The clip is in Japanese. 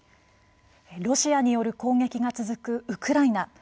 ロシアによる攻撃が続くウクライナ。